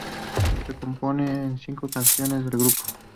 Se compone de cinco canciones del grupo.